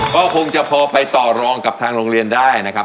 ก็คงจะพอไปต่อรองกับทางโรงเรียนได้นะครับ